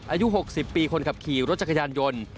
อายุ๖๐ปีคนขับขี่รถจักรยานยนต์